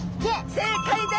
正解です。